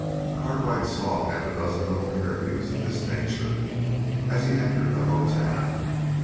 Cartwright saw half a dozen little interviews of this nature, as he entered the hotel.